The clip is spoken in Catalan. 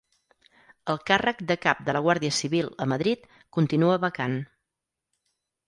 El càrrec de cap de la Guàrdia Civil a Madrid continua vacant